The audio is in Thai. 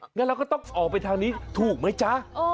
งั้นเราก็ต้องออกไปทางนี้ถูกไหมจ๊ะ